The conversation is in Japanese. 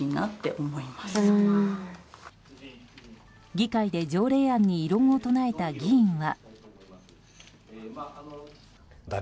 議会で条例案に異論を唱えた議員は。